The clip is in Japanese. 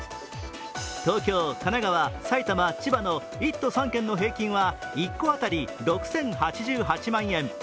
東京、神奈川、埼玉、千葉の１都３県の平均は１戸あたり６０８８万円。